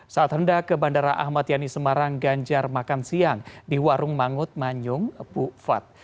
saat hendak ke bandara ahmad yani semarang ganjar makan siang di warung mangut manyung bukfat